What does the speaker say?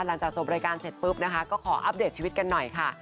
หลังจากจบรายการเสร็จปุ๊บนะคะก็ขออัปเดตชีวิตกันหน่อยค่ะ